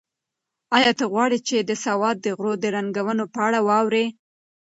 ایا ته غواړې چې د سوات د غرو د رنګونو په اړه واورې؟